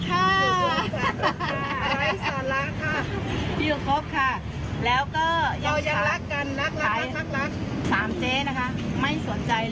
เลยฝ่อยมาให้เต็มได้ยิ่งส์